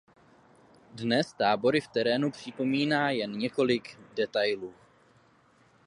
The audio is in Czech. Dnes tábory v terénu připomíná jen několik detailů.